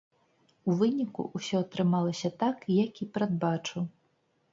У выніку ўсё атрымалася так, як і прадбачыў.